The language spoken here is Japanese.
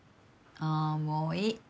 ああもういい。